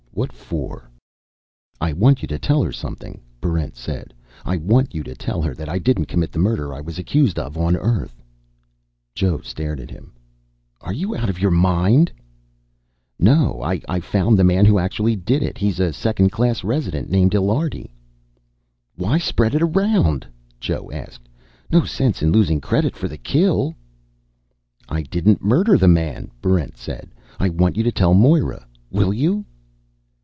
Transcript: "What for?" "I want you to tell her something," Barrent said. "I want you to tell her that I didn't commit the murder I was accused of on Earth." Joe stared at him. "Are you out of your mind?" "No. I found the man who actually did it. He's a Second Class Resident named Illiardi." "Why spread it around?" Joe asked. "No sense in losing credit for the kill." "I didn't murder the man," Barrent said. "I want you to tell Moera. Will you?"